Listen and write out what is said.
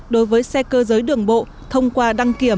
đối với xe cơ giới đường bộ thông qua đăng kiểm